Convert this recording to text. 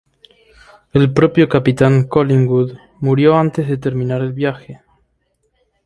El propio capitán Collingwood murió antes de terminar el viaje.